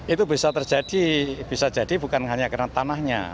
itu bisa terjadi bisa jadi bukan hanya karena tanahnya